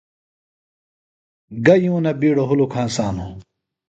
گہ یونہ بِیڈوۡ ہُلُک ہنسانوۡ؟